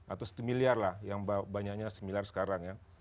atau satu miliar lah yang banyaknya semilar sekarang ya